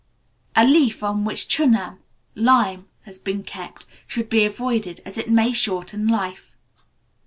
A leaf on which chunam (lime) has been kept, should be avoided, as it may shorten life.